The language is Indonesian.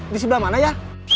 di sebelah mana ya